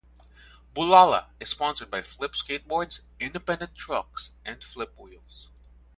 Boulala is sponsored by Flip Skateboards, Independent trucks and Flip wheels.